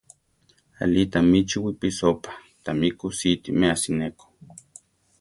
Aʼlí tami chi wipisópa; tami kusíti meási neko.